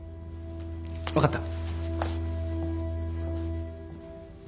分かった。